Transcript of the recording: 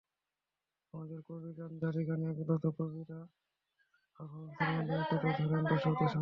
আমাদের কবিগান, জারিগান—এগুলো তো কবিরা পারফরম্যান্সের মাধ্যমেই তুলে ধরেন দর্শকের সামনে।